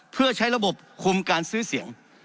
เพื่อใช้ระบบคุมการซื้อเสียง